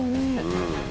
うん。